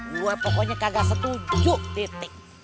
gue pokoknya kagak setuju titik